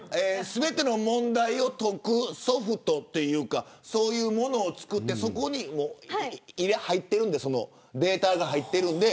全ての問題を解くソフトというかそういうものを作って、そこにデータが入ってるんで。